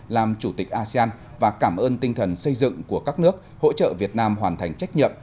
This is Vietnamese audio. làm chủ tịch asean và cảm ơn tinh thần xây dựng của các nước hỗ trợ việt nam hoàn thành trách nhiệm